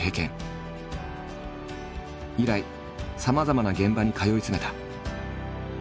以来さまざまな現場に通い詰めた。